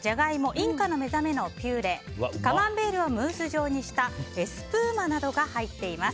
インカのめざめのピューレカマンベールをムース状にしたエスプーマなどが入っています。